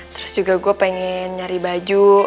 terus juga gue pengen nyari baju